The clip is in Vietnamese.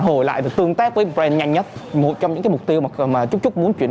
hồi lại và tương tác với brand nhanh nhất một trong những cái mục tiêu mà chúc trúc muốn chuyển